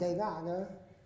rồi chạy ra nữa